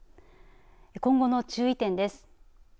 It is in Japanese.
今後の注意点です。